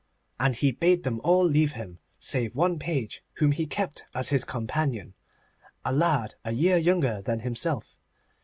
And he bade them all leave him, save one page whom he kept as his companion, a lad a year younger than himself.